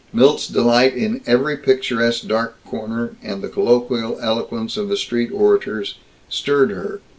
Milt's delight in every picturesque dark corner, and the colloquial eloquence of the street orators, stirred her.